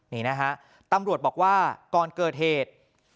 นี่นะฮะตำรวจบอกว่าก่อนเกิดเหตุ